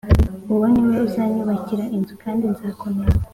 Uwo ni we uzanyubakira inzu kandi nzakomeza